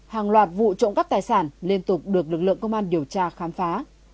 hàng loạt vụ trộm cắp tài sản liên tục được lực lượng công an điều tra khám phá